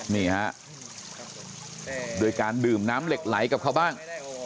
นี่ฮะโดยการดื่มน้ำเหล็กไหลกับเขาบ้าง